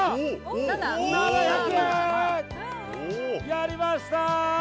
やりました！